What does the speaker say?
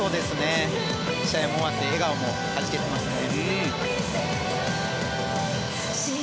試合も終わって笑顔もはじけていますね。